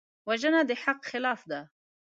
وژنه د حق خلاف ده